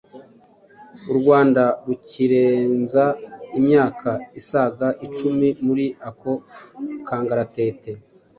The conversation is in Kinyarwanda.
u Rwanda rukirenza imyaka isaga icumi muri ako kangaratete.